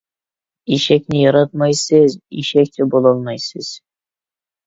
ئېشەكنى ياراتمايسىز، ئېشەكچە بولالمايسىز.